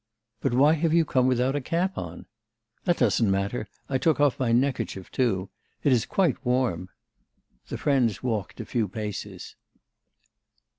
'But why have you come without a cap on?' 'That doesn't matter. I took off my neckerchief too. It is quite warm.' The friends walked a few paces.